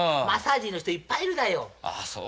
マッサージの人いっぱいいるだよ。